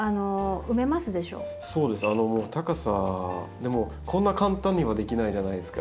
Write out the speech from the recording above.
でもこんな簡単にはできないじゃないですか。